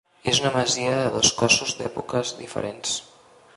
És una masia de dos cossos d'èpoques diferents.